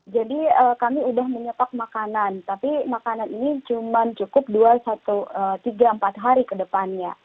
jadi kami sudah menyetak makanan tapi makanan ini cuma cukup dua satu tiga empat hari ke depan